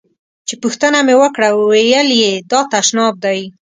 چې پوښتنه مې وکړه ویل یې دا تشناب دی.